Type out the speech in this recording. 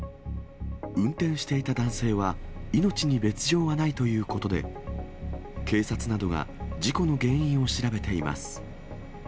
運転していた男性は、命に別状はないということで、警察などが事故の原因を調べています。